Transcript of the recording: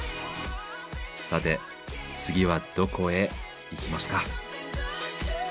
さて次はどこへ行きますか。